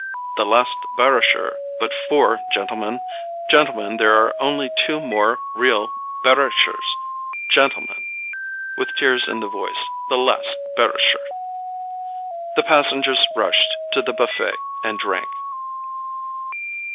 "The last Bairischer[B] but four, gentlemen! Gentlemen, there are only two more real Bairischers! Gentlemen," with tears in the voice, "the last Bairischer." The passengers rushed to the buffet and drank.